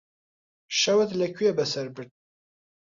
شەوت لەکوێ بەسەر برد؟